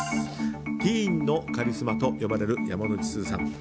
ティーンのカリスマと呼ばれる山之内すずさん。